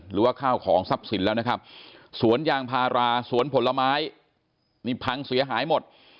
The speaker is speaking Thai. หรือว่าข้าวของทรัพย์สินแล้วนะครับสวนยางพาราสวนผลไม้นี่พังเสียหายหมด